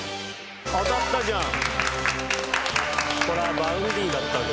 当たったじゃん。